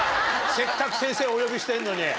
せっかく先生お呼びしてんのに。